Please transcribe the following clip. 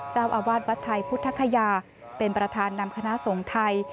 เจ้าอาวาสวัดไทยพุทธคยาเป็นประธานนำคณะสงฆ์ไทย